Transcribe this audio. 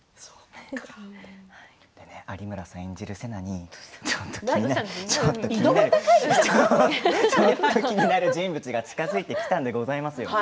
有村さん演じる瀬名にちょっと気になる人物が近づいてきたんでございます。